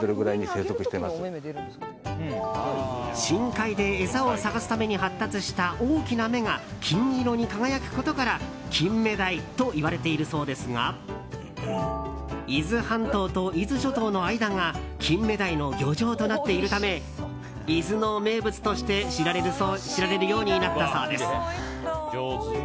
深海で餌を探すために発達した大きな目が金色に輝くことからキンメダイといわれているそうですが伊豆半島と伊豆諸島の間がキンメダイの漁場となっているため伊豆の名物として知られるようになったそうです。